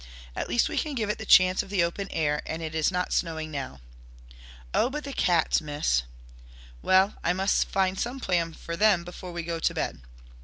At least we can give it the chance of the open air, and it is not snowing now." "Oh, but the cats, Miss!" "Well, I must find some plan for them before we go to bed.